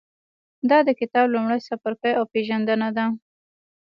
دا د کتاب لومړی څپرکی او پېژندنه ده.